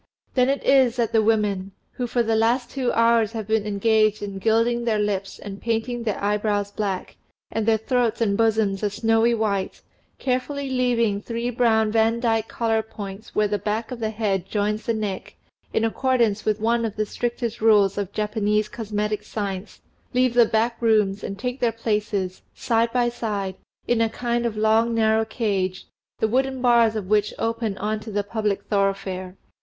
Then it is that the women who for the last two hours have been engaged in gilding their lips and painting their eyebrows black, and their throats and bosoms a snowy white, carefully leaving three brown Van dyke collar points where the back of the head joins the neck, in accordance with one of the strictest rules of Japanese cosmetic science leave the back rooms, and take their places, side by side, in a kind of long narrow cage, the wooden bars of which open on to the public thoroughfare.